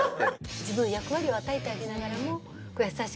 自分役割を与えてあげながらも優しくささやく。